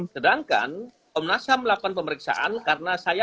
sedangkan komnas ham melakukan pemeriksaan karena saya